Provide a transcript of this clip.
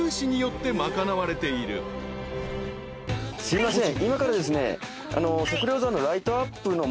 すいません。